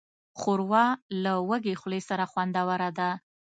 ښوروا له وږې خولې سره خوندوره ده.